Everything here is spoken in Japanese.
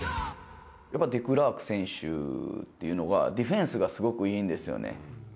やっぱデクラーク選手っていうのは、ディフェンスがすごくいいんですよね。